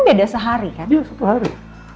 beda sehari kan satu hari